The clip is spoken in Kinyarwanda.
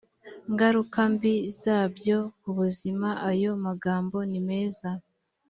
ngaruka mbi zabyo ku buzima ayo magambo nimeza